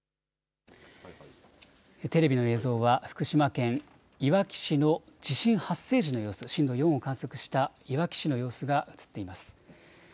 テレビの映像は福島県いわき市の地震発生時の様子、震度４を観測したいわき市の様子が映っています。